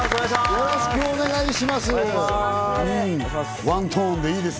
よろしくお願いします。